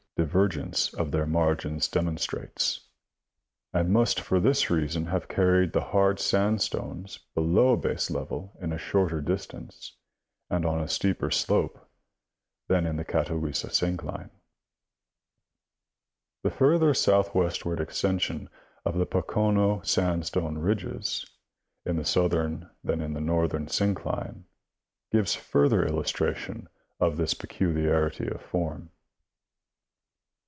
227 divergence of their margins demonstrates, and must for this reason have carried the hard sandstones below baselevel in a shorter distance and on a steeper slope than in the Catawissa syncline. The further soiithwestward extension of the Pocono sandstone ridges in the southern than in the northern syncline gives further illustration of this peculiarity of form.